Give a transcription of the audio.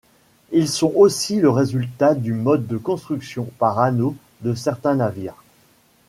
Ils sont aussi le résultat du mode de construction par anneaux de certains navires.